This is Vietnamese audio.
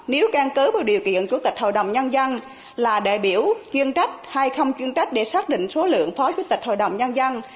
trước điều kiện chủ tịch hội đồng nhân dân là đại biểu kiên trách hay không kiên trách để xác định số lượng phó chủ tịch hội đồng nhân dân